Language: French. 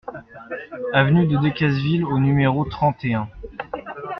Avenue de Decazeville au numéro trente et un